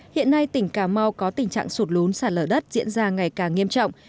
hiện nay tỉnh cà mau có tình trạng sụt lún sản lở đất diễn ra ngày càng nghiêm trọng